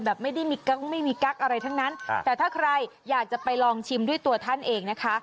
ไม่ได้มีกั๊กไม่มีกั๊กอะไรทั้งนั้นแต่ถ้าใครอยากจะไปลองชิมด้วยตัวท่านเองนะคะ